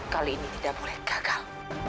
kali ini tidak boleh gagal